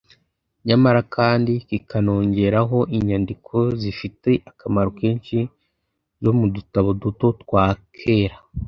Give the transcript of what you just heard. nyamara kandi kikanongeraho inyandiko zifite akamaro kenshi zo mu dutabo duto twa kera